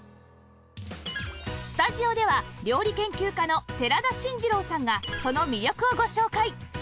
スタジオでは料理研究家の寺田真二郎さんがその魅力をご紹介